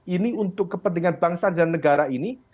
ini untuk kepentingan bangsa dan negara ini